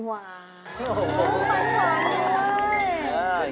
ฝันหวานเลย